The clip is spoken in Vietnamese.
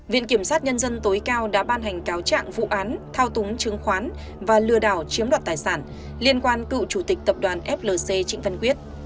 viện kiểm sát nhân dân tối cao đã ban hành cáo trạng vụ án thao túng chứng khoán và lừa đảo chiếm đoạt tài sản liên quan cựu chủ tịch tập đoàn flc trịnh văn quyết